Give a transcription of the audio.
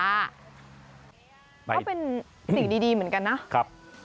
ก็เป็นสิ่งดีเหมือนกันนะครับ